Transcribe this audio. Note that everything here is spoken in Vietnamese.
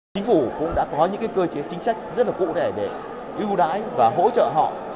chính phủ cũng đã có những cơ chế chính sách rất là cụ thể để ưu đãi và hỗ trợ họ